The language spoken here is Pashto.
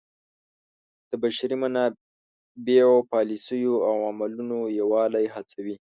د بشري منابعو پالیسیو او عملونو یووالی هڅوي.